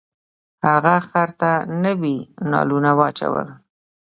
هغه خر ته نوي نالونه واچول.